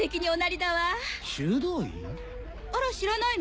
あら知らないの？